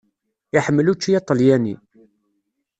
Iḥemmel učči aṭelyani.